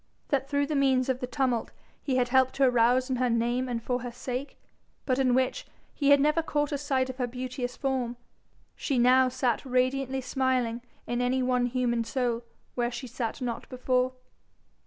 that through means of the tumult he had helped to arouse in her name and for her sake, but in which he had never caught a sight of her beauteous form, she now sat radiantly smiling in any one human soul where she sat not before?